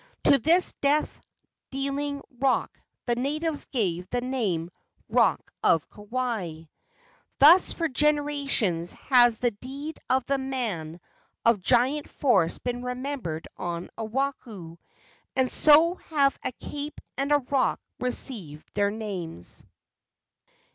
To this death dealing rock the natives gave the name "Rock of Kauai." Thus for generations has the deed of the man of giant force been remembered on Oahu, and so have a cape and a rock received their names.